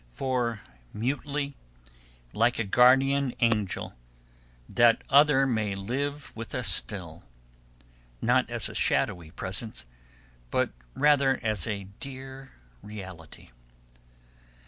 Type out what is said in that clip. For mutely, like a guardian angel, that other may live with us still; not as a shadowy presence, but rather as a dear reality.